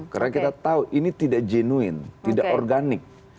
karena kita tahu ini tidak jenuin tidak organik